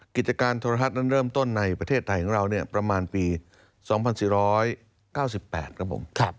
กิจการโทรทัศน์นั้นเริ่มต้นในประเทศไทยของเราประมาณปี๒๔๙๘ครับผม